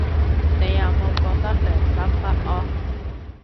你有冇覺得良心不安